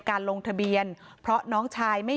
พี่สาวบอกว่าไม่ได้ไปกดยกเลิกรับสิทธิ์นี้ทำไม